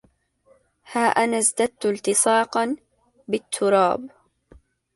ها أنا ازددت التصاقاً... بالتراب!